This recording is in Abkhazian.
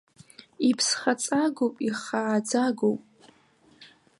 Иԥсхаҵагоуп, ихааӡагоуп.